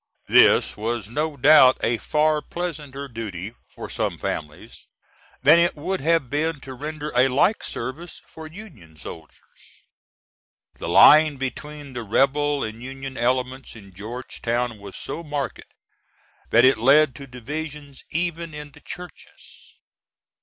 This was no doubt a far pleasanter duty for some families than it would have been to render a like service for Union soldiers. The line between the Rebel and Union element in Georgetown was so marked that it led to divisions even in the churches.